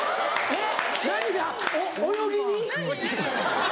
えっ？